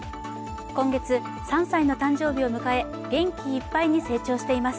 今月３歳の誕生日を迎え元気いっぱいに成長しています。